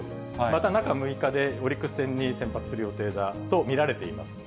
また中６日で、オリックス戦に先発する予定だと見られています。